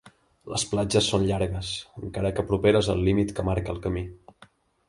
Les platges són llargues, encara que properes al límit que marca el camí.